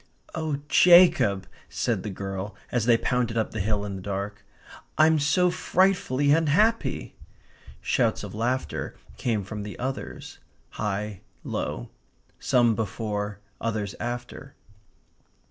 "Oh Jacob," said the girl, as they pounded up the hill in the dark, "I'm so frightfully unhappy!" Shouts of laughter came from the others high, low; some before, others after.